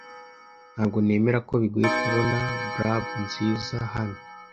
Ntabwo nemera ko bigoye kubona grub nziza hano.